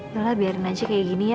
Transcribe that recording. doa biarin aja kayak gini ya